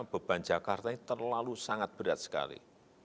beban jakarta ini terlalu sangat berat sekali